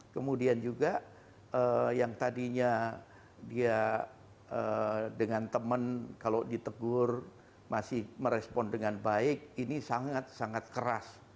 kemudian juga yang tadinya dia dengan teman kalau ditegur masih merespon dengan baik ini sangat sangat keras